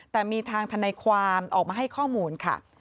แต่มีทางทนายความออกมาให้ข้อมูลค่ะ